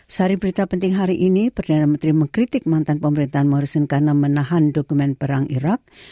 sehari berita penting hari ini perdana menteri mengkritik mantan pemerintahan morisen karena menahan dokumen perang irak